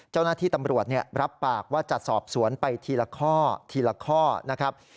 เจ้าหน้าที่ตำรวจรับปากว่าจะสอบสวนไปทีละข้อทีละข้อนะครับ